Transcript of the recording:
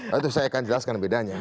nanti saya akan jelaskan bedanya